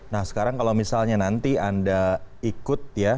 nah sekarang kalau misalnya nanti anda ikut ya